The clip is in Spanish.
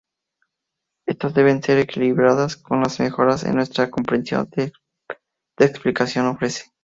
Estas deben ser equilibradas con las mejoras en nuestra comprensión que la explicación ofrece.